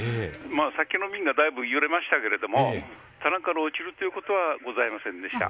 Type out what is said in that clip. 酒の瓶がだいぶ揺れましたけども棚から落ちるということはございませんでした。